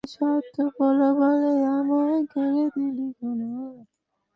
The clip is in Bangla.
মানুষকে আইনের নামে নানা ধরনের হয়রানি করা হচ্ছে বলেও অভিযোগ করেন তিনি।